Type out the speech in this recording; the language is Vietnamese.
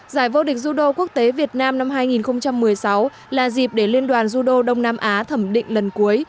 giải vô địch jdo quốc tế việt nam năm hai nghìn một mươi sáu là dịp để liên đoàn judo đông nam á thẩm định lần cuối